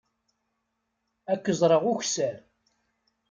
Ad k-ẓreɣ ukessar.